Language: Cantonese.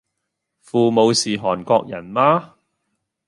父母是韓國人嗎？